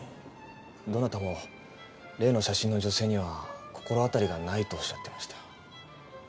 どなたも例の写真の女性には心当たりがないとおっしゃってました。